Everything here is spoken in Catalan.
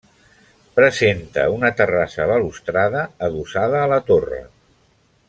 Presenta una terrassa balustrada adossada a la torre.